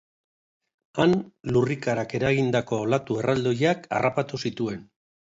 Han, lurrikarak eragindako olatu erraldoiak harrapatu zituen.